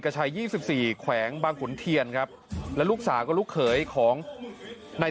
จองฝ่ายมือมวยเก่าอาวุธหนัก